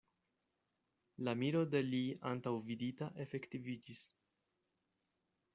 La miro de li antaŭvidita efektiviĝis.